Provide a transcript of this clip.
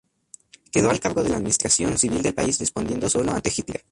Quedó al cargo de la administración civil del país, respondiendo solo ante Hitler.